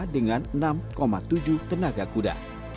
dengan enam tujuh tenaga kuda